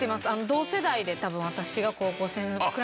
同世代で多分私が。